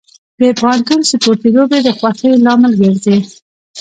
د پوهنتون سپورتي لوبې د خوښۍ لامل ګرځي.